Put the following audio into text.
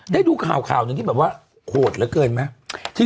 ได้ดูข่าวข่าวหนึ่งที่แบบว่าโหดเหลือเกินไหม